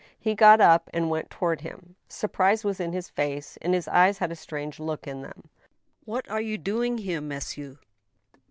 He got up and went toward him ; surprise was in his face and his eyes had a strange look in them. " What are you doing here, monsieur